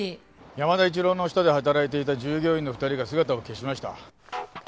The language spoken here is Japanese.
山田一郎の下で働いていた従業員の２人が姿を消しました。